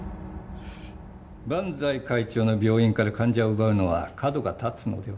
伴財会長の病院から患者を奪うのは角が立つのでは？